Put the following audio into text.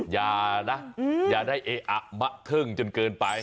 อย่านะอย่าได้เออะมะเทิ่งจนเกินไป